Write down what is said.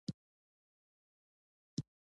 د خبرو مزاج تل د انسان سره تړلی وي